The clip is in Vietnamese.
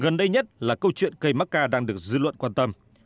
gần đây nhất là câu chuyện cây mắc ca đang được dư luận quan tâm